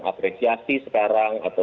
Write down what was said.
apresiasi sekarang atau